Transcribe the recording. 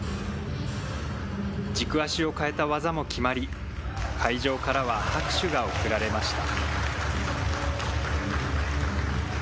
軸足を変えた技も決まり、会場からは拍手が送られました。